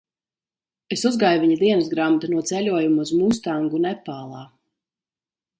Es uzgāju viņa dienasgrāmatu no ceļojuma uz Mustangu, Nepālā.